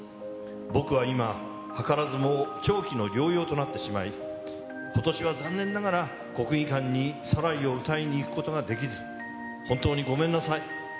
僕は今、はからずも長期の療養となってしまい、ことしは残念ながら、国技館にサライを歌いに行くことができず、本当にごめんなさい。